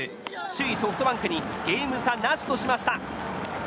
首位ソフトバンクにゲーム差なしとしました。